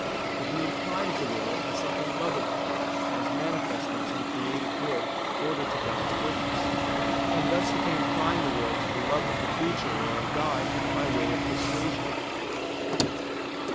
But he inclines the will as something lovable, and as manifesting some created good ordered to God's goodness. And thus he can incline the will to the love of the creature or of God, by way of persuasion.